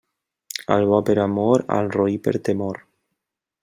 Al bo per amor, al roí per temor.